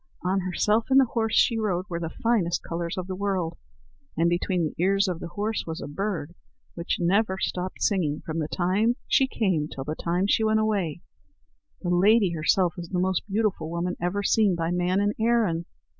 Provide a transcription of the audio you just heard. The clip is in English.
On herself and the horse she rode were the finest colours of the world, and between the ears of the horse was a bird which never stopped singing from the time she came till she went away. The lady herself is the most beautiful woman ever seen by man in Erin."